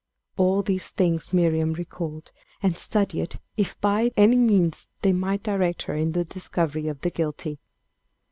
All these things Miriam recalled, and studied if by any means they might direct her in the discovery of the guilty.